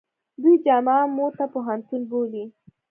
دوی جامعه موته پوهنتون بولي.